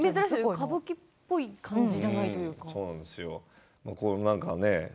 歌舞伎っぽい感じじゃないというか。